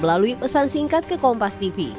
melalui pesan singkat ke kompas tv